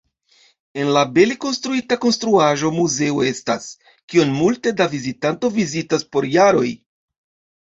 En la bele konstruita konstruaĵo muzeo estas, kion multe da vizitanto vizitas po jaroj.